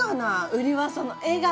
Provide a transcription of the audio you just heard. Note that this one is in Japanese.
売りはその笑顔で。